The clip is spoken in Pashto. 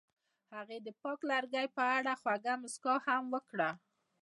هغې د پاک لرګی په اړه خوږه موسکا هم وکړه.